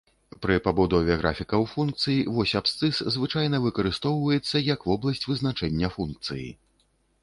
Пры пабудове графікаў функцый, вось абсцыс звычайна выкарыстоўваецца як вобласць вызначэння функцыі.